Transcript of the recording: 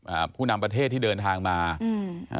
ผู้นำประเทศที่เดินทางมาอืมอ่า